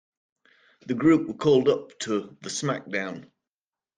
The group were called up to the SmackDown!